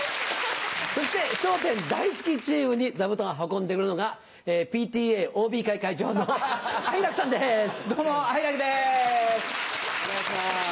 そして『笑点』大好きチームに座布団を運んでくれるのがＰＴＡＯＢ会会長の愛楽さんです。